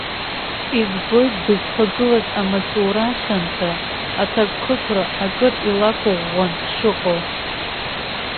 Избоит дызхагылаз амаҵура хьанҭа аҭакԥхықәра акыр илаиқәыӷәӷәан дшыҟоу.